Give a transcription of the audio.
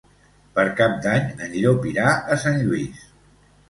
Per Cap d'Any en Llop irà a Sant Lluís.